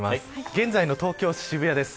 現在の東京、渋谷です。